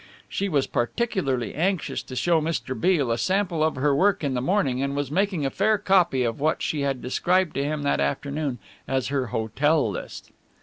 She was particularly anxious to show Mr. Beale a sample of her work in the morning and was making a fair copy of what she had described to him that afternoon as her "hotel list."